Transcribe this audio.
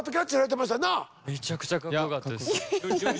めちゃくちゃかっこよかったです。